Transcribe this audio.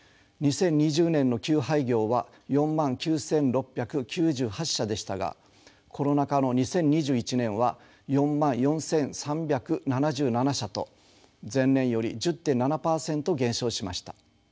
２０２０年の休廃業は４万９，６９８社でしたがコロナ禍の２０２１年は４万４，３７７社と前年より１０．７％減少しました。